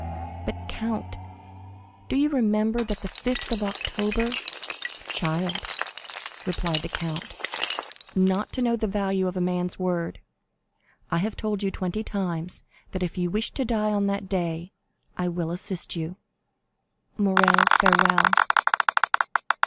"But, count, do you remember that the 5th of October——" "Child," replied the count, "not to know the value of a man's word! I have told you twenty times that if you wish to die on that day, I will assist you. Morrel, farewell!"